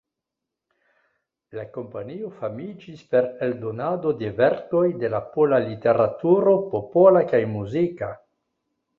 La kompanio famiĝis per eldonado de verkoj de la pola literaturo, popola kaj muzika.